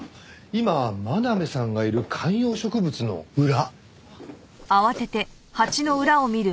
今真鍋さんがいる観葉植物の裏。